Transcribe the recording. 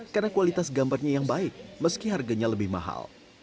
dan juga membuat kaos yang lebih baik meski harganya lebih mahal